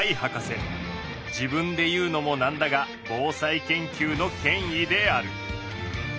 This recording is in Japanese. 自分で言うのも何だが防災研究の権威である。